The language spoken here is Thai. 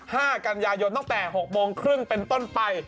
ห้ากันยายนตั้งแต่หกโมงครึ่งเป็นต้นไป